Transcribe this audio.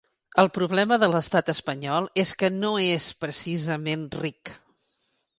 El problema de l’estat espanyol és que no és precisament ric.